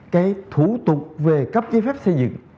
cái thủ tục về cấp giấy phép xây dựng